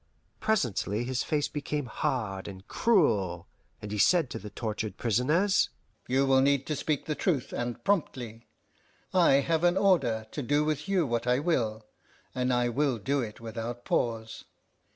Presently his face became hard and cruel, and he said to the tortured prisoners, "You will need to speak the truth, and promptly. I have an order to do with you what I will, and I will do it without pause.